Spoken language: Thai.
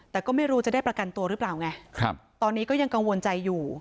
แต่ก็ไม่รู้จะได้ประกันตัวหรือเปล่าไงครับตอนนี้ก็ยังกังวลใจอยู่